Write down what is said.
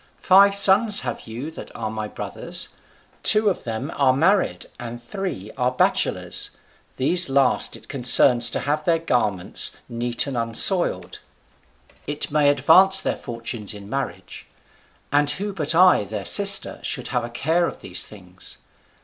Five sons have you that are my brothers; two of them are married, and three are bachelors; these last it concerns to have their garments neat and unsoiled; it may advance their fortunes in marriage: and who but I their sister should have a care of these things?